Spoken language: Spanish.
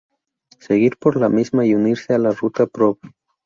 Seguir por la misma y unirse a la Ruta Prov.